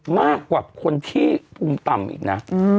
มากกว่าคนที่ภูมิต่ำอีกนะ